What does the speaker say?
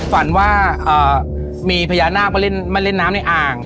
ฝันว่ามีพญานาคมาเล่นน้ำในอ่าง